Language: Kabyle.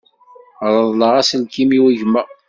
Reḍleɣ aselkim-iw i gma.